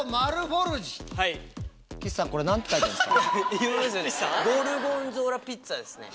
ゴルゴンゾーラピッツァですね。